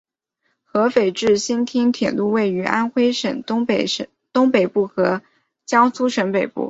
合肥至新沂铁路位于安徽省东北部和江苏省北部。